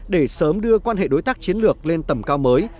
để sớm đưa quan hệ đối tác chiến lược lên tầm cao mới